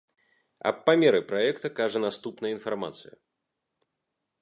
Аб памеры праекта кажа наступная інфармацыя.